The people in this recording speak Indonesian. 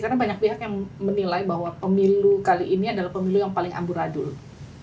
karena banyak pihak yang menilai bahwa pemilu kali ini adalah pemilu yang paling amburadul